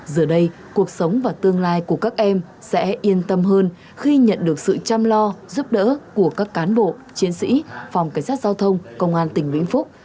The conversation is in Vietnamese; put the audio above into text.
giờ đây cuộc sống và tương lai của các em sẽ yên tâm hơn khi nhận được sự chăm lo giúp đỡ của các cán bộ chiến sĩ phòng cảnh sát giao thông công an tỉnh vĩnh phúc